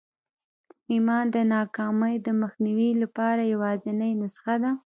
ایمان د ناکامۍ د مخنیوي لپاره یوازېنۍ نسخه ده